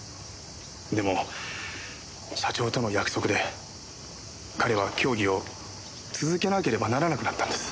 でも社長との約束で彼は競技を続けなければならなくなったんです。